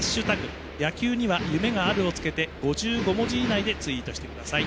野球には夢がある」をつけて５５文字以内でツイートしてください。